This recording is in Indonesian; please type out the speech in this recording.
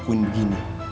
aku ngelakuin begini